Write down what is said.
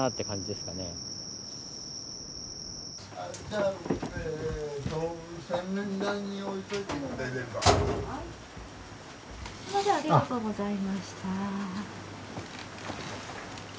すみませんありがとうございました。